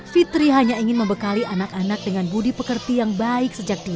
fitri hanya ingin membekali anak anak dengan budi pekerti yang baik sejak dini